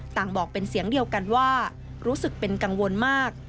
บอกเป็นเสียงเดียวกันว่ารู้สึกเป็นกังวลมาก